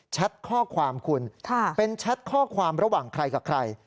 ข้อความคุณเป็นแชทข้อความระหว่างใครกับใคร